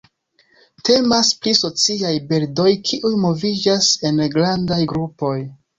Temas pri sociaj birdoj kiuj moviĝas en grandaj grupoj.